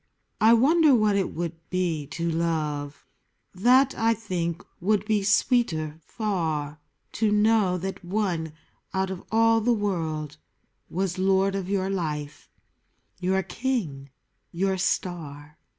I wonder what it would be to love : That, I think, would be sweeter far, — To know that one out of all the world Was lord of your life, your king, your star!